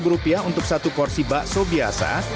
rp empat belas untuk satu porsi bakso biasa